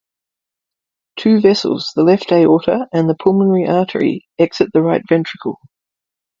Two vessels, the left aorta and the pulmonary artery, exit the right ventricle.